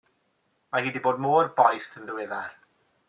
Mae hi 'di bod mor boeth yn ddiweddar.